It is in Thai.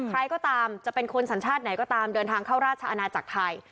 ใครก็ตามจะเป็นคนสัญชาติไหนก็ตามเดินทางเข้าราชอาณาจักรไทย